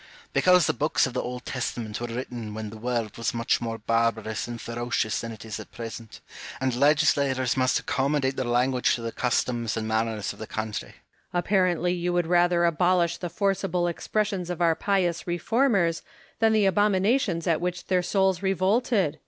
IIum,e. Because the books of the Old Testament were written when the world was much more barbarous and ferocious than it is at present ; and legislators must accom modate their language to the customs and manners of the country. DA VID HUME AND JOHN HOME. 233 Home. Apparently you would rather abolish the forcible expressions of our pious reformers, than the abominations at which their souls revolted.